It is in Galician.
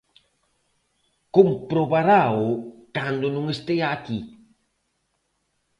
Comprobarao cando non estea aquí.